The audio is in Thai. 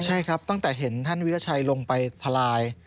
ใช่ครับตั้งแต่เห็นท่านวิราชัยลงไปทลาย